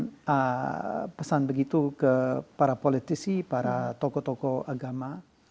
saya sudah sampaikan pesan begitu ke para politisi para tokoh tokoh agama